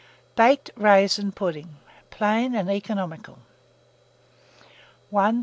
BAKED RAISIN PUDDING. (Plain and Economical.) 1336.